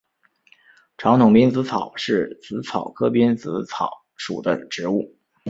长筒滨紫草是紫草科滨紫草属的植物。